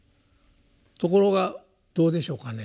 ところがどうでしょうかね。